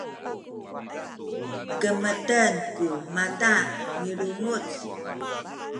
kemeten ku mata milunguc